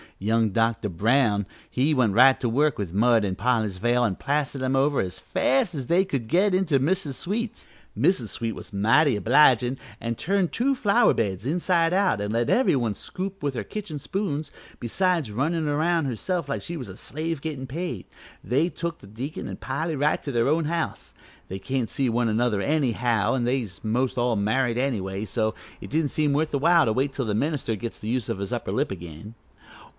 Young Dr. Brown went right to work with mud an' Polly's veil an' plastered 'em over as fast as they could get into Mrs. Sweet's. Mrs. Sweet was mighty obligin' an' turned two flower beds inside out an' let every one scoop with her kitchen spoons, besides runnin' aroun' herself like she was a slave gettin' paid. They took the deacon an' Polly right to their own house. They can't see one another anyhow, an' they was most all married anyway, so it didn't seem worth while to wait till the minister gets the use of his upper lip again."